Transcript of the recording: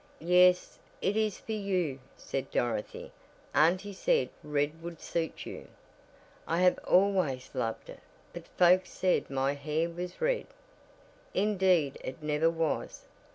"Yes, it is for you," said Dorothy, "Auntie said red would suit you." "I have always loved it, but folks said my hair was red." "Indeed it never was.